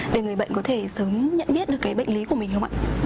để người bệnh có thể sớm nhận biết được cái bệnh lý của mình không ạ